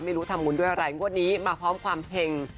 ไม่รู้ทำบุญด้วยอะไรงวดนี้มาพร้อมความเห็ง